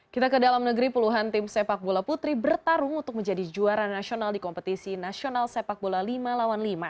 kita ke dalam negeri puluhan tim sepak bola putri bertarung untuk menjadi juara nasional di kompetisi nasional sepak bola lima lawan lima